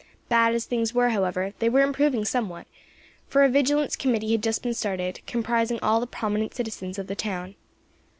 Bad as things were, however, they were improving somewhat, for a Vigilance Committee had just been started, comprising all the prominent citizens of the town.